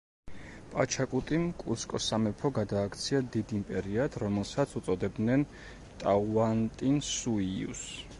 პაჩაკუტიმ კუსკოს სამეფო გადააქცია დიდ იმპერიად, რომელსაც უწოდებდნენ ტაუანტინსუიუს.